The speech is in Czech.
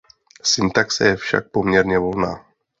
Syntaxe je však poměrně volná.